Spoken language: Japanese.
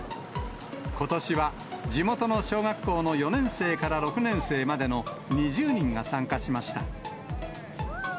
ことしは地元の小学校の４年生から６年生までの２０人が参加しました。